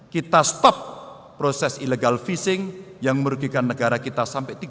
kita stop proses illegal fishing yang merugikan negara kita sampai tiga tahun